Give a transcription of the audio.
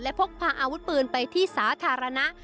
พกพาอาวุธปืนไปที่สาธารณะ